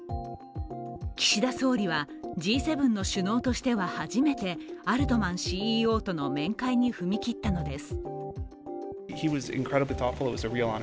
岸田総理はＧ７の首脳としては初めてアルトマンＣＥＯとの面会に踏み切ったのです。